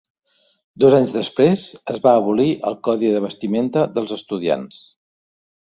Dos anys després, es va abolir el codi de vestimenta dels estudiants.